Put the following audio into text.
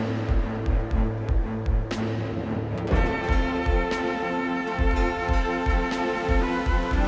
ทุกคนพร้อมแล้วขอเสียงปลุ่มมือต้อนรับ๑๒สาวงามในชุดราตรีได้เลยค่ะ